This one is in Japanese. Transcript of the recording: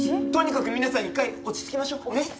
とにかく皆さん一回落ち着きましょう。ね？